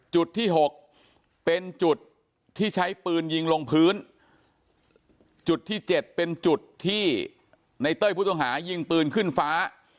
จุดที่๖เป็นจุดที่ใช้ปืนยิงลงพื้นจุดที่เจ็ดเป็นจุดที่ในเต้ยผู้ต้องหายิงปืนขึ้นฟ้า